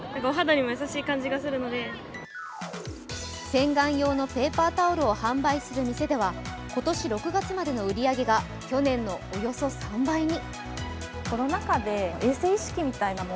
洗顔用のペーパータオルを販売する店では今年６月までの売り上げが去年のおよそ３倍に。